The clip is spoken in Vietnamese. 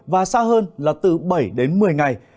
và xa hơn là từ bảy đến một mươi ngày